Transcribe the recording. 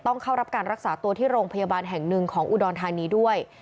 เข้ารับการรักษาตัวที่โรงพยาบาลแห่งหนึ่งของอุดรธานีด้วย